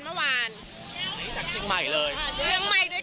ไปล่ามที่อะไร